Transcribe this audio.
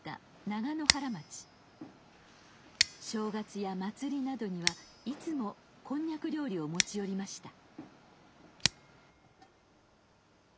正月や祭りなどにはいつもこんにゃく料理を持ち寄りました。